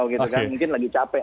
mungkin lagi capek